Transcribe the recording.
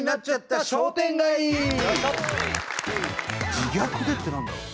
「自虐で」って何だろう？